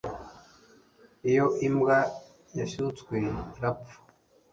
iyo imbwa yashyutswe irapfa